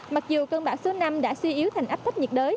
mặc dù cơn bão số năm đã suy yếu thành áp thấp nhiệt đới